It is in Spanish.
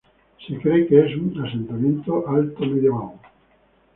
Se cree que es un asentamiento altomedieval.